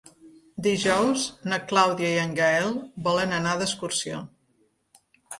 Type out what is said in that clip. Dijous na Clàudia i en Gaël volen anar d'excursió.